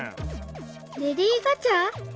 レディ−・ガチャ！